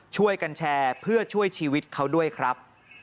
ช่วยกันแชร์เพื่อช่วยชีวิตเขาด้วยครับ